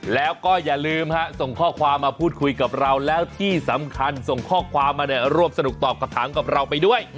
แล้วก็อย่าลืมส่งข้อความมาพูดคุยกับเราแล้วที่สำคัญส่งข้อความมาเนี่ยร่วมสนุกตอบคำถามกับเราไปด้วย